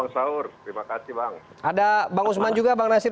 selamat malam bang nasir